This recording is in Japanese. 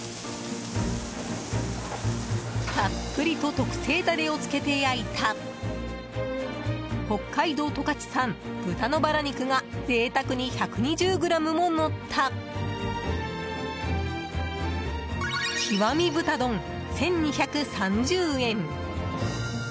たっぷりと特製ダレをつけて焼いた北海道十勝産、豚のバラ肉が贅沢に１２０ｇものった極み豚丼、１２３０円。